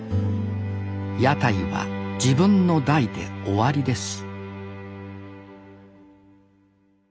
屋台は自分の代で終わりです